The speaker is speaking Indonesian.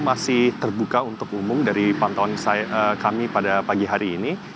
masih terbuka untuk umum dari pantauan kami pada pagi hari ini